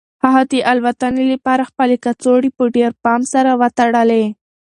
هغه د الوتنې لپاره خپلې کڅوړې په ډېر پام سره وتړلې.